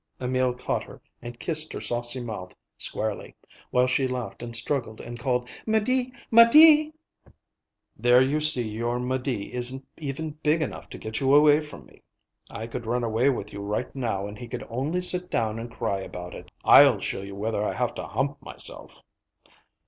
Emil caught her and kissed her saucy mouth squarely, while she laughed and struggled and called, "'Médée! 'Médée!" "There, you see your 'Médée isn't even big enough to get you away from me. I could run away with you right now and he could only sit down and cry about it. I'll show you whether I have to hump myself!"